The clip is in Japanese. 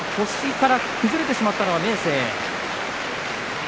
腰から崩れてしまったのは明生。